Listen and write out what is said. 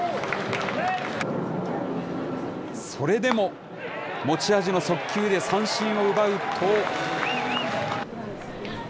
それでも、持ち味の速球で三振を奪うと。